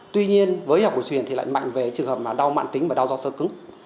tuy nhiên với y học cổ truyền thì lại mạnh về trường hợp mà đau mạn tính và đau do sơ cứng